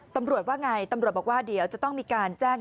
ตำรวจว่าไงตำรวจบอกว่าเดี๋ยวจะต้องมีการแจ้ง